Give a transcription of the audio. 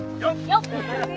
よっ！